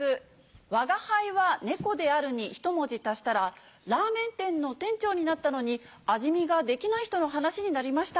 『吾輩は猫である』にひと文字足したらラーメン店の店長になったのに味見ができない人の話になりました。